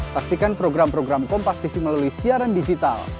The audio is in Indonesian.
saksikan program program kompas tv melalui siaran digital